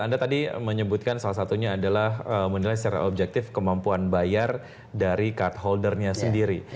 anda tadi menyebutkan salah satunya adalah menilai secara objektif kemampuan bayar dari card holdernya sendiri